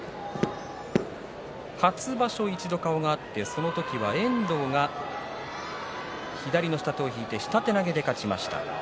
初場所、一度、顔が合ってその時は遠藤は左の下手を引いて下手投げで勝ちました。